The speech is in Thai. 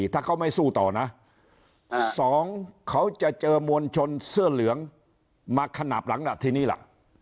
ถ้าเขาไม่สู้ต่อนะสองเขาจะเจอมวลชนเสื้อเหลืองมาขนาดหลังน่ะทีนี้ล่ะ